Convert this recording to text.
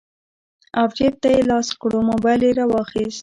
او جېب ته يې لاس کړو موبايل يې رواخيست